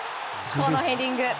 このヘディング！